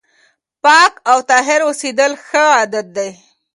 پاک او طاهر اوسېدل ښه عادت دی.